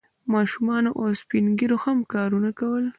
ماشومانو او سپین ږیرو هم کارونه کول.